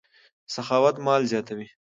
سخاوت مال زیاتوي.